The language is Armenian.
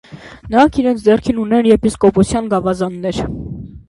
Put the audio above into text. Նրանք իրենց ձեռքին ունեն եպիսկոպոսական գավազաններ։